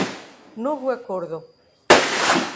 Novo Acordo